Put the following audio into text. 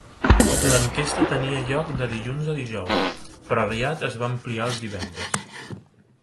L"enquesta tenia lloc de dilluns a dijous, però aviat es va ampliar als divendres.